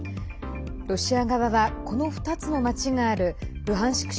ロシア側は、この２つの町があるルハンシク